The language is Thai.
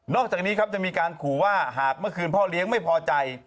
อกจากนี้ครับจะมีการขู่ว่าหากเมื่อคืนพ่อเลี้ยงไม่พอใจ